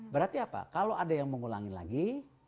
berarti apa kalau ada yang mau ngulangin lagi